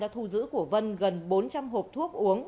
thu giữ của vân gần bốn trăm linh hộp thuốc uống